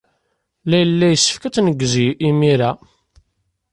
Layla yessefk ad tneggez imir-a.